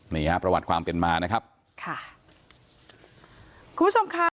นี่ฮะประวัติความเป็นมานะครับค่ะ